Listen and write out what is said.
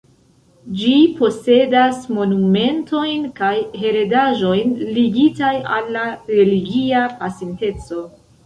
Ĝi posedas monumentojn kaj heredaĵon ligitaj al la religia pasinteco.